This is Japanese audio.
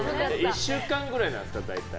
１週間くらいなんですか、大体。